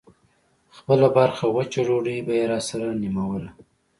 خپله برخه وچه ډوډۍ به يې راسره نيموله.